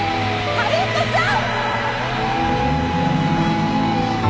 春彦さん！